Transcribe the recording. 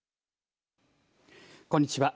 こんにちは。